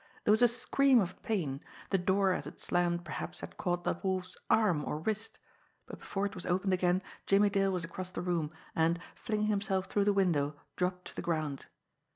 There was a scream of pain the door as it slammed perhaps had caught the Wolf's arm or wrist but before it was opened again Jimmie Dale was across the room, and, flinging himself through the window, dropped to the ground.